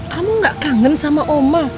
kamu gak kangen sama oma